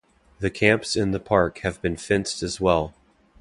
The camps in the park have been fenced as well.